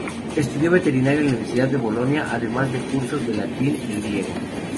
Estudió veterinaria en la Universidad de Bolonia además de cursos de latín y griego.